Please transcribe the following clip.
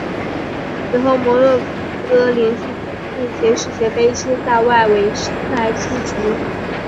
此后摩洛哥连续四届世界杯皆在外围赛出局。